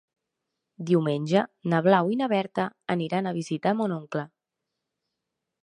Diumenge na Blau i na Berta aniran a visitar mon oncle.